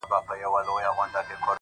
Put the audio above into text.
ما درته وژړل؛ ستا نه د دې لپاره؛